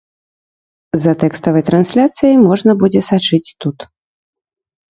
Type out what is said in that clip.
За тэкставай трансляцыяй можна будзе сачыць тут.